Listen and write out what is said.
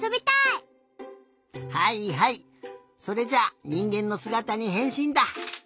はいはいそれじゃあにんげんのすがたにへんしんだ！